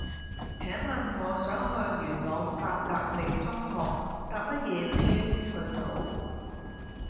請問我想去元朗伯特利中學搭乜嘢車先去到